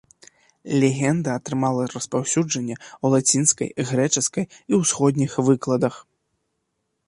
Легенда атрымала распаўсюджанне у лацінскай, грэчаскай і ўсходніх выкладах.